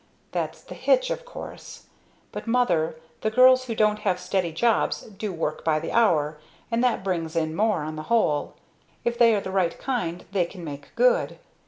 "That's the hitch, of course. But mother; the girls who don't have steady jobs do work by the hour, and that brings in more, on the whole. If they are the right kind they can make good.